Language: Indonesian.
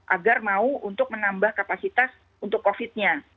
agar mau untuk menambah kapasitas untuk covid nya